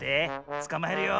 つかまえるよ。